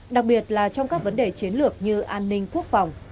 đặc biệt là trong các vấn đề chiến lược như an ninh quốc phòng